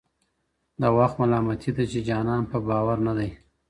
د وخت ملامتي ده چي جانان په باور نه دی